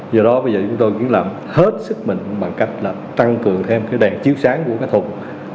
do đó bây giờ chúng tôi đã làm hết sức mình bằng cách tăng cường thêm đèn chiếu sáng của cái thùng